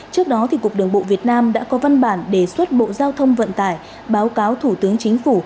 trước đó cục đường bộ việt nam đã có văn bản đề xuất bộ giao thông vận tải báo cáo thủ tướng chính phủ